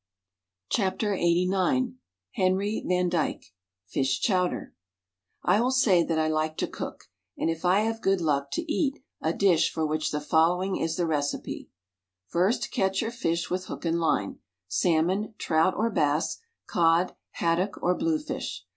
WRITTEN FOR MEN BY MEN LXXXIX Henry van Dyke FISH CHOWDER I will say that I like to cook (and if I have good luck, to eat) a dish for which the following is the recipe: First catch your fish with hook and line, — salmon, trout or bass, cod, haddock or blue fish.